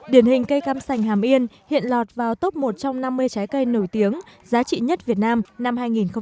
điển hình cây cam sành hàm yên hiện lọt vào top một trong năm mươi trái cây nổi tiếng giá trị nhất việt nam năm hai nghìn một mươi tám